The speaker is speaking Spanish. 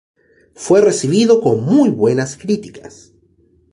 Fue recibido con muy buenas críticas.